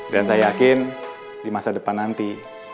dan saya yakin di masa depan nanti